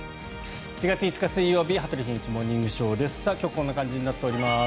４月５日、水曜日「羽鳥慎一モーニングショー」。今日はこんな感じになっております。